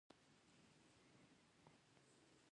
د هرات په ګذره کې د سمنټو مواد شته.